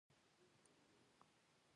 روښنايي کور ته خوښي راوړي